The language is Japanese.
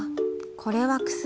これは薬。